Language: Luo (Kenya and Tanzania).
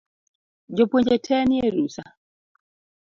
Jopuonje tee ni e rusa